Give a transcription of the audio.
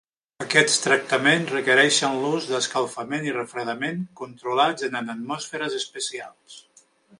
Aquests tractaments requereixen l'ús d'escalfament i refredament controlats en atmosferes especials.